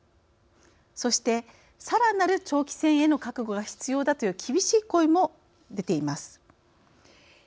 そしてさらなる長期戦への覚悟が必要だという厳しい声も出ています。